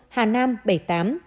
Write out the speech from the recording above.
hà nam bảy mươi tám